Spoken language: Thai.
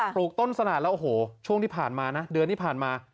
ลูกต้นสนานแล้วโอ้โหช่วงที่ผ่านมานะเดือนที่ผ่านมา